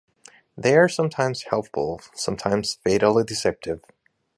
They are sometimes helpful, sometimes fatally deceptive.